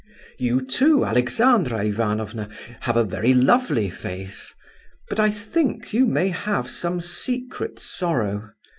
"You too, Alexandra Ivanovna, have a very lovely face; but I think you may have some secret sorrow.